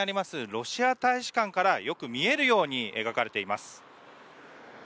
ロシア大使館からよく見えるように描かれています。